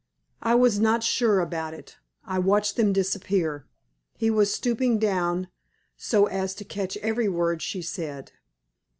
I was not sure about it. I watched them disappear. He was stooping down so as to catch every word she said.